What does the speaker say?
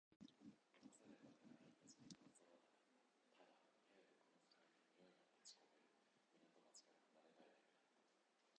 残された隊員達に感想はなかった。ただ、早くこの不快な臭いの立ち込める港町から離れたいだけだった。